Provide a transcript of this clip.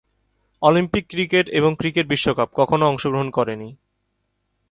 Olympic cricket এবং cricket বিশ্বকাপ: কখনও অংশগ্রহণ করেনি।